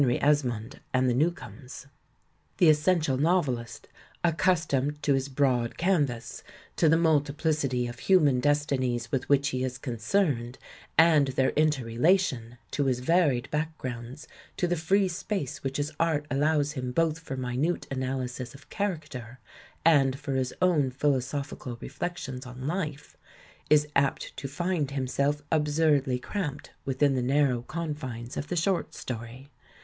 ru E»mond and TJie Xezccomeg. The essential novelist accustomed to his broad canvas, to the multiplicity of human destinies with which he is concerned and their inter rela ticHi, to his varied backgrounds, to the free space which his art allows him both for minute analysis of character and for his own philosophical re flections on life, is apt to find himself absurdly cramped wi thin the narrow confines of the short story.